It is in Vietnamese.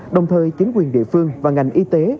đồng thời chính quyền địa phương và ngành y tế